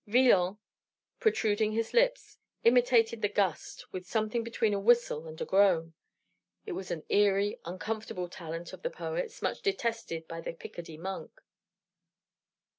Villon, protruding his lips, imitated the gust with something between a whistle and a groan. It was an eerie, uncomfortable talent of the poet's, much detested by the Picardy monk.